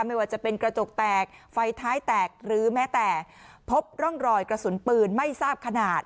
ไม่ว่าจะเป็นกระจกแตกไฟท้ายแตกหรือแม้แต่พบร่องรอยกระสุนปืนไม่ทราบขนาด